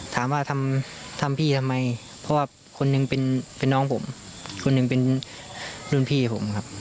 ถามว่าทำทำพี่ทำไมเพราะว่าคนหนึ่งเป็นน้องผมคนหนึ่งเป็นรุ่นพี่ผมครับ